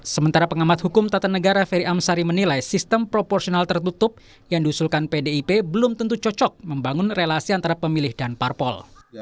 sementara pengamat hukum tata negara ferry amsari menilai sistem proporsional tertutup yang diusulkan pdip belum tentu cocok membangun relasi antara pemilih dan parpol